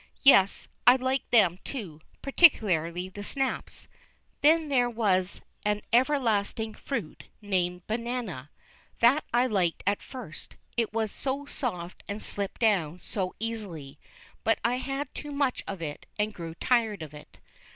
Yes, I liked them, too, particularly the snaps. Then there was an everlasting fruit named "banana" that I liked at first, it was so soft and slipped down so easily, but I had too much of it, and grew tired of it.